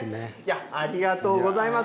ありがとうございます。